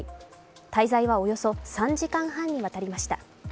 滞在はおよそ３時間半にわたりました。